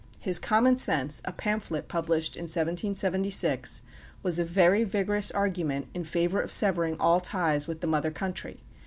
His "Common Sense," a pamphlet published in 1776, was a very vigorous argument in favor of severing all ties with the mother country.